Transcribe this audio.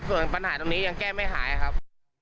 ส่วนปัญหาตรงนี้ยังแก้ไม่หายครับ